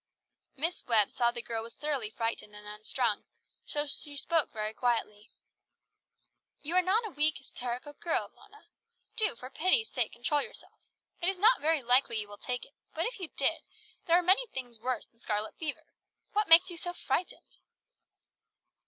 Miss Webb saw the girl was thoroughly frightened and unstrung, so she spoke very quietly. "You are not a weak, hysterical girl, Mona. Do for pity's sake control yourself. It is not very likely you will take it; but if you did, there are many things worse than scarlet fever. What makes you so frightened?"